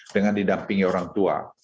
dengan didampingi orang tua